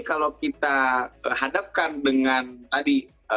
kalau kita hadapkan dengan tadi